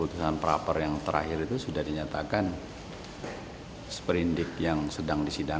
tolong tahan dulu